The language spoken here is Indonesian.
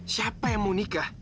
siapa yang mau nikah